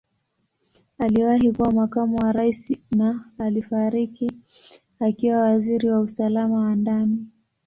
Aliwahi kuwa Makamu wa Rais na alifariki akiwa Waziri wa Usalama wa Ndani.